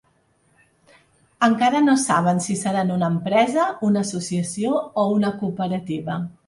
Encara no saben si seran una empresa, una associació o una cooperativa.